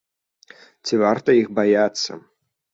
Ці варта іх баяцца?